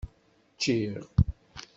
Cciɣ.